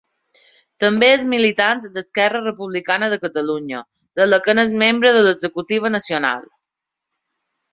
També és militant d'Esquerra Republicana de Catalunya, de la que n'és membre de l'executiva nacional.